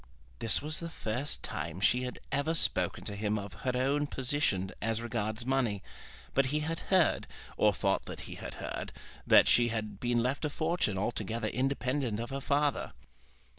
This was the first time she had ever spoken to him of her own position as regards money; but he had heard, or thought that he had heard, that she had been left a fortune altogether independent of her father.